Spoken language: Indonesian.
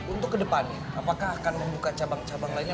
untuk kedepannya apakah akan membuka cabang cabang lainnya